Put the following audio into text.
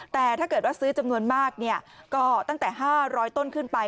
แต่ถ้าเกิดว่าซื้อจำนวนมากก็ตั้งแต่๕๐๐ต้นขึ้นไป